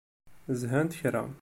Zhant kra.